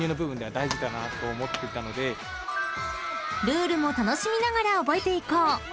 ［ルールも楽しみながら覚えていこう］